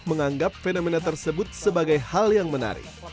menganggap fenomena tersebut sebagai hal yang menarik